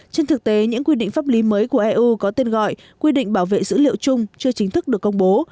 trên thực tế những quy định pháp lý mới của eu có tên gọi quy định bảo vệ dữ liệu chung chưa chính thức được công bố